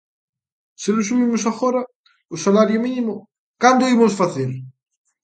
Se non subimos agora o salario mínimo, ¿cando o imos facer?